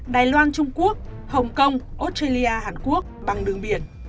đài loan trung quốc hồng kông australia hàn quốc bằng đường biển